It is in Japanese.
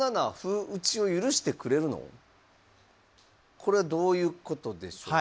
これはどういうことでしょうか？